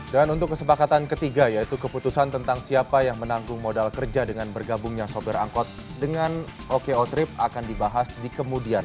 dan untuk kesepakatan ketiga yaitu keputusan tentang siapa yang menanggung modal kerja dengan bergabungnya sopir angkut dengan oko trip akan dibahas di kemudian